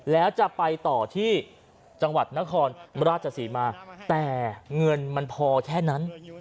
แล้วจะไปต่อที่จังหวัดนครราชศรีมาแต่เงินมันพอแค่นั้น